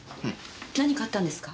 何かあったんですか？